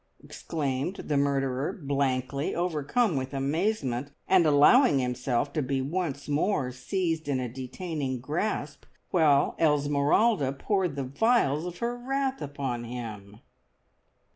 exclaimed the Murderer blankly, overcome with amazement, and allowing himself to be once more seized in a detaining grasp, while Esmeralda poured the vials of her wrath upon him.